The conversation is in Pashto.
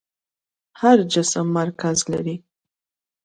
هر جسم مرکز لري.